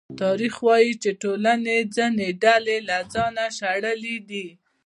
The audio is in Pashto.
تاریخ وايي چې ټولنې ځینې ډلې له ځانه شړلې دي.